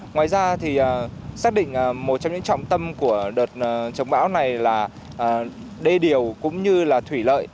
ngoài ra thì xác định một trong những trọng tâm của đợt chống bão này là đê điều cũng như là thủy lợi